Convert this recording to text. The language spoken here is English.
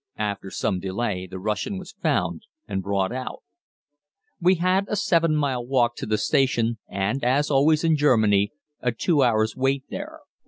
After some delay the Russian was found and brought out. We had a 7 mile walk to the station and, as always in Germany, a two hours' wait there.